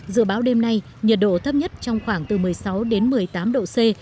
dự báo đêm nay nhiệt độ thấp nhất trong khoảng từ một mươi sáu đến một mươi tám độ c